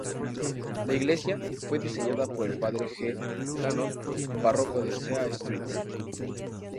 La iglesia fue diseñada por el padre G. Gannon, párroco de Sea Street.